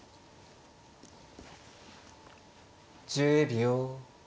１０秒。